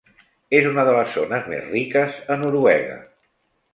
És una de les zones més riques a Noruega.